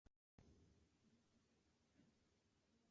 There are a few small rock galleries of Indigenous Australian art.